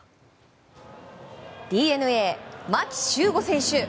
ＤｅＮＡ、牧秀悟選手。